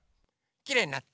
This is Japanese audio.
きれいになった！